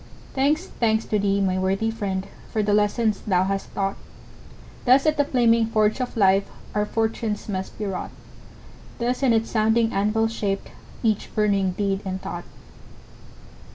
Thanks, thanks to thee, my worthy friend, For the lesson thou hast taught! Thus at the flaming forge of life Our fortunes must be wrought; Thus on its sounding anvil shaped Each burning deed and thought.